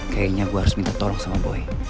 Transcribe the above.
kayaknya gue harus minta tolong sama boy